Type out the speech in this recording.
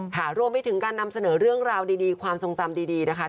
ค่ะรวมไปถึงการนำเสนอเรื่องราวดีความทรงจำดีนะคะ